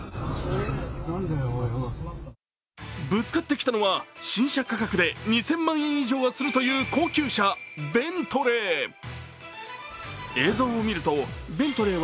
ぶつかってきたのは新車価格で２０００万円以上はするという高級車ベントレー。